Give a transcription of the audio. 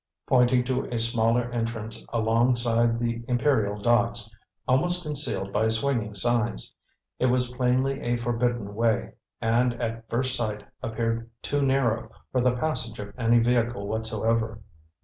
pointing to a smaller entrance alongside the Imperial docks, almost concealed by swinging signs. It was plainly a forbidden way, and at first sight appeared too narrow for the passage of any vehicle whatsoever.